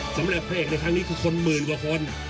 สำหรับพระเอกในครั้งนี้คือคนหมื่นกว่าคน